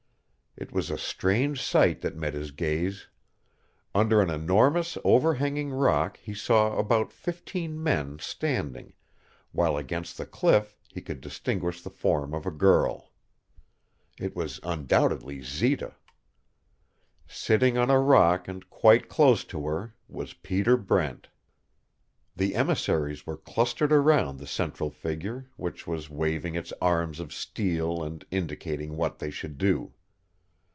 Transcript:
It was a strange sight that met his gaze. Under an enormous overhanging rock he saw about fifteen men standing, while against the cliff he could distinguish the form of a girl. It was undoubtedly Zita. Sitting on a rock and quite close to her was Peter Brent. The emissaries were clustered around the central figure, which was waving its arms of steel and indicating what they should do.